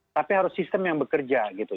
tapi harus sistem yang bekerja gitu